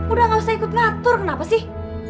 udah gak usah ikut ngatur kenapa sih